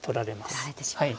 取られてしまう。